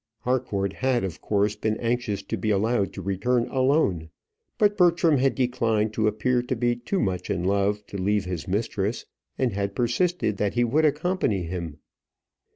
Harcourt had, of course, been anxious to be allowed to return alone; but Bertram had declined to appear to be too much in love to leave his mistress, and had persisted that he would accompany him.